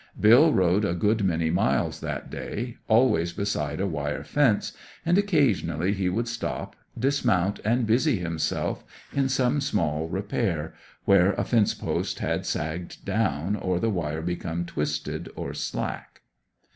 Bill rode a good many miles that day, always beside a wire fence; and occasionally he would stop, dismount, and busy himself in some small repair, where a fence post had sagged down, or the wire become twisted or slack.